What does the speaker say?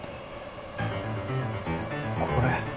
これ。